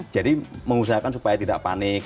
jadi mengusahakan supaya tidak panik